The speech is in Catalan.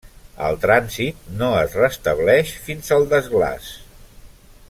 El trànsit no es restableix fins al desglaç.